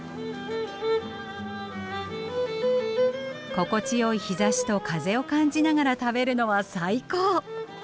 心地よい日ざしと風を感じながら食べるのは最高！